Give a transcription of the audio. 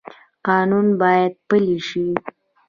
قانون باید پلی شي